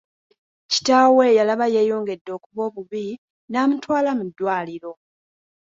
Kitaawe yalaba yeeyongedde okuba obubi n'amutwala mu ddwaliro.